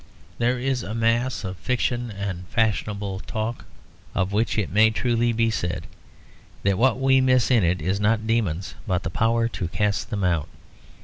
There is a mass of fiction and fashionable talk of which it may truly be said, that what we miss in it is not demons but the power to cast them out.